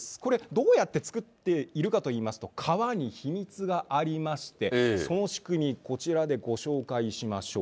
これ、どうやって作っているかといいますと、革に秘密がありまして、その仕組み、こちらでご紹介しましょう。